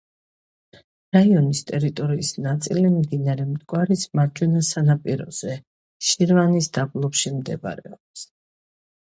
რაიონის ტერიტორიის ნაწილი მდინარე მტკვრის მარჯვენა სანაპიროზე, შირვანის დაბლობში მდებარეობს.